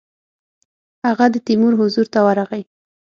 هغه د تیمور حضور ته ورغی.